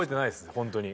ホントに。